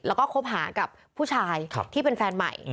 แล้วก็คบหากับผู้ชายที่เป็นแฟนใหม่